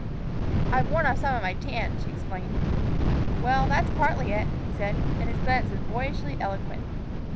"I've worn off some of my tan," she explained. "Well, that's partly it," he said, and his glance was boyishly eloquent.